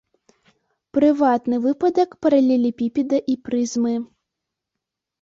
Прыватны выпадак паралелепіпеда і прызмы.